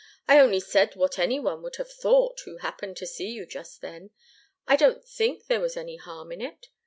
"I only said what any one would have thought who happened to see you just then. I didn't think there was any harm in it.